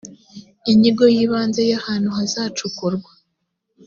inyigo y ibanze y ahantu hazacukurwa